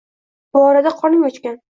Bu orada qorning ochgan